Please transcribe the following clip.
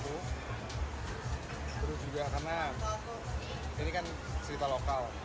terus juga karena ini kan cerita lokal